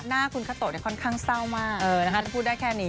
หน้าคุณคาโตะค่อนข้างเศร้ามากถ้าพูดได้แค่นี้